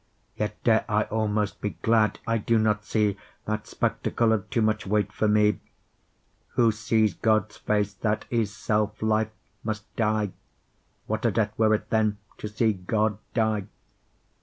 Yet dare I'almost be glad, I do not seeThat spectacle of too much weight for mee. Who sees Gods face, that is selfe life, must dye; What a death were it then to see God dye?